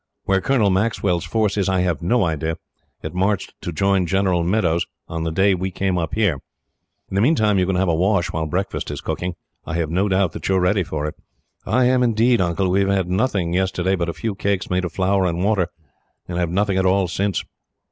Where Colonel Maxwell's force is, I have no idea. It marched to join General Meadows, on the day we came up here. "In the meantime you can have a wash, while breakfast is being cooked. I have no doubt that you are ready for it." "I am indeed, Uncle. We had nothing, yesterday, but a few cakes made of flour and water; and have had nothing at all, since."